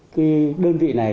cái đơn vị này